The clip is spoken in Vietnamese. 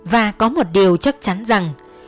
và có một điều chắc chắn rằng